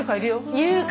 優香。